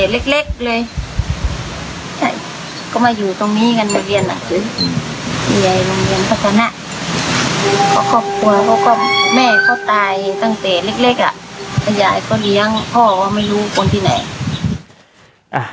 ตั้งแต่เล็กเล็กอ่ะพ่อใหญ่เขาเลี้ยงพ่อเขาไม่รู้คนที่ไหนอ่ะ